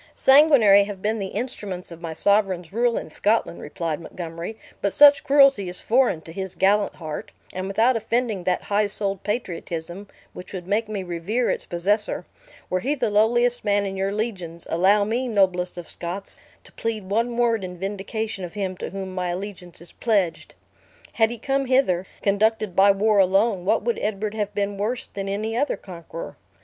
"Sanguinary have been the instruments of my sovereign's rule in Scotland," replied Montgomery; "but such cruelty is foreign to his gallant heart; and without offending that high souled patriotism, which would make me revere its possessor, were he the lowliest man in your legions, allow me, noblest of Scots, to plead one word in vindication of him to whom my allegiance is pledged. Had he come hither, conducted by war alone, what would Edward have been worse than any other conqueror?